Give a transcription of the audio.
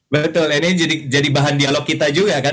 betul ini jadi bahan dialog kita juga kan